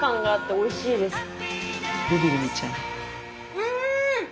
うん！